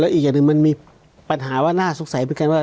แล้วอีกอย่างหนึ่งมันมีปัญหาว่าน่าสุขใสไปกันว่า